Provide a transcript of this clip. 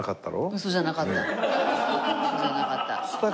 ウソじゃなかった。